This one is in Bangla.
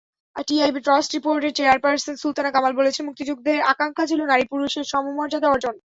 টিআইবির ট্রাস্টি বোর্ডের চেয়ারপারসন সুলতানা কামাল বলেছেন, মুক্তিযুদ্ধের আকাঙ্ক্ষা ছিল নারী-পুরুষের সমমর্যাদা অর্জন।